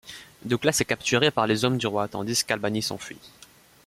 Douglas est capturé par les hommes du roi tandis qu'Albany s'enfuit.